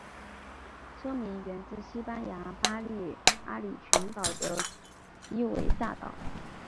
车名源自西班牙巴利阿里群岛的伊维萨岛。